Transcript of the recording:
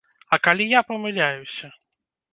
А калі я памыляюся?